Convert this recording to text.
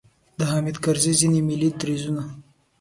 د حامد کرزي ځینې ملي دریځونو.